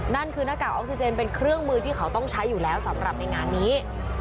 นั่นคือหน้ากากออกซิเจนเป็นเครื่องมือที่เขาต้องใช้อยู่แล้วสำหรับในงานนี้